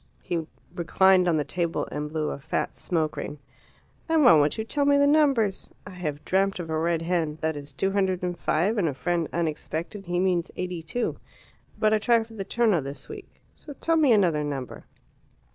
He reclined on the table and blew a fat smoke ring. "And why won't you tell me the numbers? I have dreamt of a red hen that is two hundred and five, and a friend unexpected he means eighty two. But I try for the Terno this week. So tell me another number."